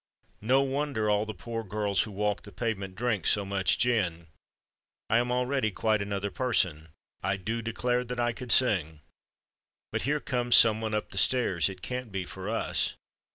No wonder all the poor girls who walk the pavement drink so much gin. I am already quite another person. I do declare that I could sing. But here comes some one up the stairs: it can't be for us."